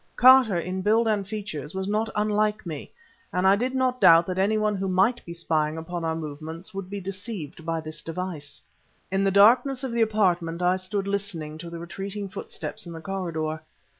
Carter, in build and features, was not unlike me, and I did not doubt that any one who might be spying upon our movements would be deceived by this device. In the darkness of the apartment I stood listening to the retreating footsteps in the corridor.